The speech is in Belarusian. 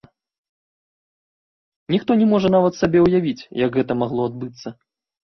Ніхто не можа нават сабе ўявіць, як гэта магло адбыцца.